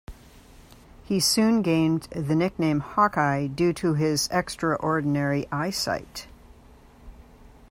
He soon gained the nickname "Hawkeye" due to his extraordinary eyesight.